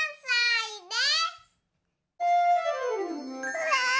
うわ！